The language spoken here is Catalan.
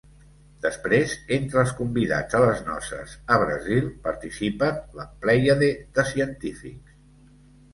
Després entre els convidats a les noces a Brasil, participen la plèiade de científics.